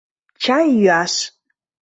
Чай йӱаш.